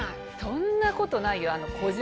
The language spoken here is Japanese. そんなことないよ。